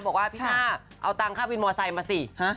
บอกว่าพี่ช่าเอาตังค่าวินมอไซค์มาสิ